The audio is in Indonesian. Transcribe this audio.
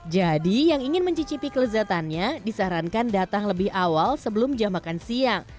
jadi yang ingin mencicipi kelezatannya disarankan datang lebih awal sebelum jam makan siang